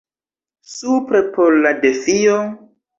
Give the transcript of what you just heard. Supre por la defio?